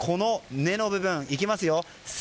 根の部分、いきますよ。